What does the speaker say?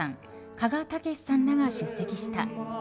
鹿賀丈史さんらが出席した。